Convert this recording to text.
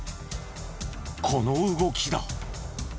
この動きだ。